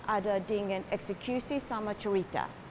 ada dingin eksekusi sama cerita